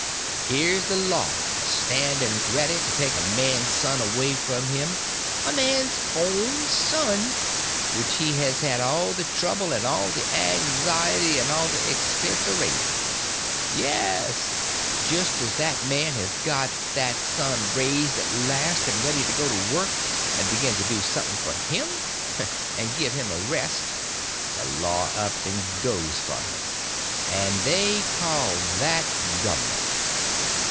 Here's the law a standing ready to take a man's son away from him—a man's own son, which he has had all the trouble and all the anxiety and all the expense of raising. Yes, just as that man has got that son raised at last, and ready to go to work and begin to do suthin' for him and give him a rest, the law up and goes for him. And they call that govment!